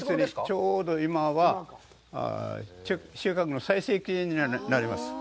ちょうど今は収穫の最盛期になります。